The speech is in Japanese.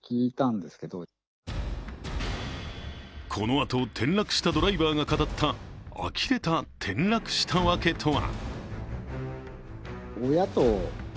このあと転落したドライバーが語ったあきれた転落したワケとは。